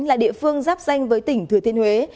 là địa phương giáp danh với tỉnh thừa thiên huế